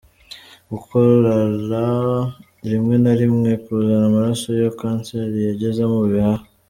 Gukorora rimwe na rimwe ukazana amaraso iyo kanseri yageze mu bihaha.